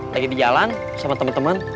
lagi di jalan sama temen temen